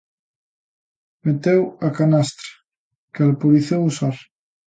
Meteu a canastra que alporizou o Sar.